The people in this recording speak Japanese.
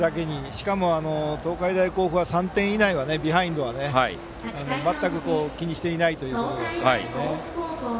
しかも東海大甲府は３点以内のビハインドは全く気にしていないということですからね。